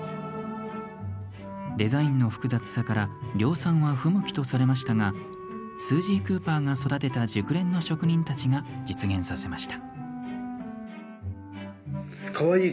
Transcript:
デザインの複雑さから量産は不向きとされましたがスージー・クーパーが育てた熟練の職人たちが実現させました。